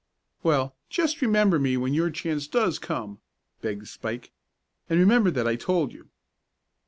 "Well, just remember me when your chance does come," begged Spike. "And remember that I told you."